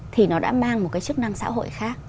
thì nó đã mang một cái chức năng xã hội khác